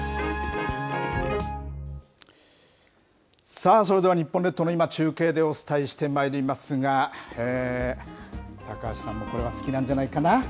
さあ、それでは日本列島の今、中継でお伝えしてまいりますが、高橋さんもこれは好きなんじゃないかな。